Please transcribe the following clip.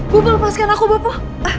bopo lepaskan aku bopo